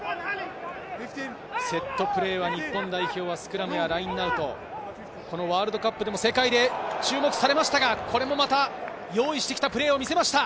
セットプレーは日本代表はスクラムやラインアウト、ワールドカップでも世界で注目されましたが、これもまた用意したプレーを見せました。